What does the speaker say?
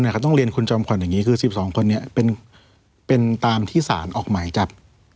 เขาต้องเรียนคุณจอมขวัญอย่างนี้คือ๑๒คนนี้เป็นตามที่สารออกหมายจับ